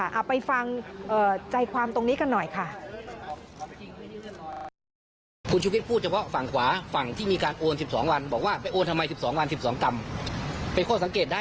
เอาไปฟังใจความตรงนี้กันหน่อยค่ะ